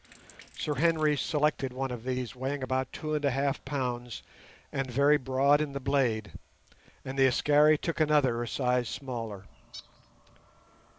Sir Henry selected one of these weighing about two and a half pounds and very broad in the blade, and the Askari took another a size smaller.